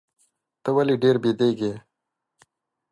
ته ولي ډېر بیدېږې؟